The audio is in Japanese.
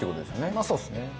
まあそうですね。